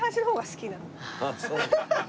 あっそう。